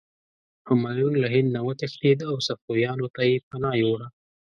همایون له هند نه وتښتېد او صفویانو ته پناه یووړه.